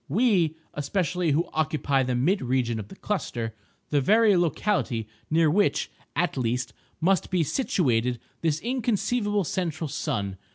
—we, especially, who occupy the mid region of the cluster—the very locality near which, at least, must be situated this inconceivable central sun.